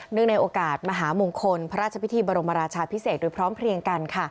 ในโอกาสมหามงคลพระราชพิธีบรมราชาพิเศษโดยพร้อมเพลียงกัน